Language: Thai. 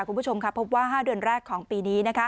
คุณผู้ชมค่ะพบว่า๕เดือนแรกของปีนี้